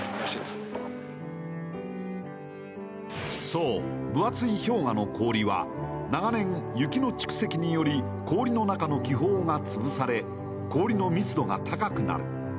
そう、分厚い氷河の氷は長年、雪の蓄積により氷の中の気泡が潰され氷の密度が高くなる。